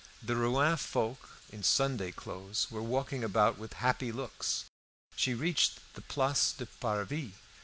The Rouen folk, in Sunday clothes, were walking about with happy looks. She reached the Place du Parvis.